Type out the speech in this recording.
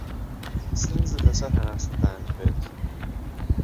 سەرنجت لەسەر هەناسەدانت بێت.